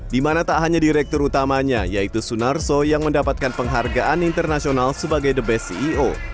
dimana tak hanya direktur utamanya yaitu sunar soe yang mendapatkan penghargaan international sebagai the best ceo